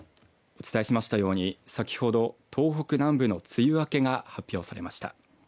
お伝えしましたように先ほど東北南部の梅雨明けが発表されました。